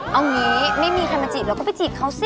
เอางี้ไม่มีใครมาจีบเราก็ไปจีบเขาสิ